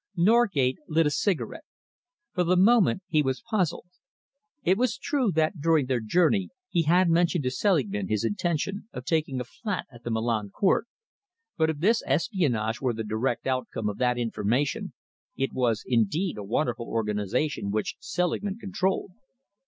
Norgate lit a cigarette. For the moment he was puzzled. It was true that during their journey he had mentioned to Selingman his intention of taking a flat at the Milan Court, but if this espionage were the direct outcome of that information, it was indeed a wonderful organisation which Selingman controlled.